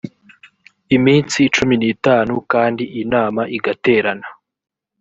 iminsi cumi n itanu kandi inama igaterana